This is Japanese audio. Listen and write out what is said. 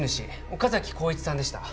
岡崎浩一さんでした